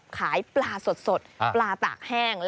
ขายปลาสดปลาตากแห้ง